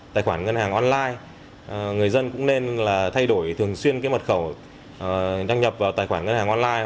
tài khoản ngân hàng online người dân cũng nên thay đổi thường xuyên mật khẩu đăng nhập vào tài khoản ngân hàng online